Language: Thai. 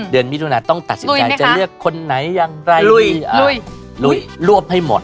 เดือนมิถุนาต้องตัดสินใจจะเรียกคนไหนอย่างไรรวบให้หมด